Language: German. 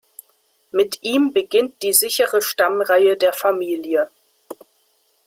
Mit ihm beginnt die sichere Stammreihe der Familie.